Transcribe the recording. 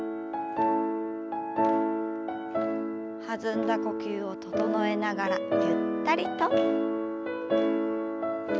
弾んだ呼吸を整えながらゆったりと。